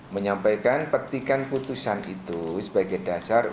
menyampaikan petikan putusan itu sebagai dasar